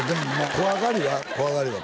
怖がりは怖がり？